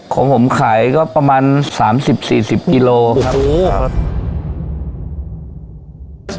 ของผมขายก็ประมาณสามสิบสี่สิบกิโลครับ